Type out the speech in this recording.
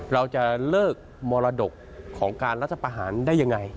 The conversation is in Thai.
เราจะเลิกมรดกของการรัฐประหารได้ยังไง